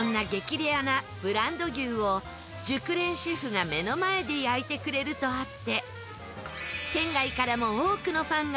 レアなブランド牛を熟練シェフが目の前で焼いてくれるとあって。